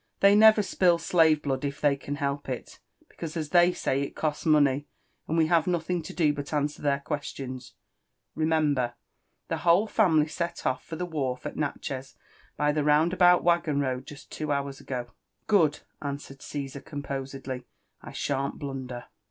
" They never spill slave blood if they can help it, because, as they say, it costs money ; and we have nothing to do but answer their questions. Remember — the whole family set off for the wharf at Natchez by the round about waggon^roadjust two hours ago.'' ..'* Good I" answered Caesar composedly; *^ I shan't blunder."